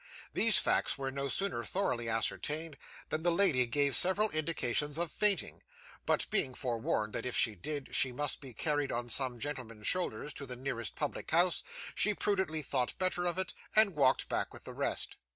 These facts were no sooner thoroughly ascertained, than the lady gave several indications of fainting, but being forewarned that if she did, she must be carried on some gentleman's shoulders to the nearest public house, she prudently thought better of it, and walked back with the rest.